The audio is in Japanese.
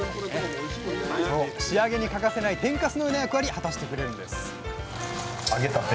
仕上げに欠かせない「天かす」のような役割果たしてくれるんです揚げたて。